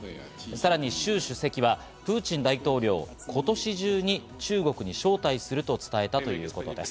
さらにシュウ主席はプーチン大統領を今年中に中国に招待すると伝えたということです。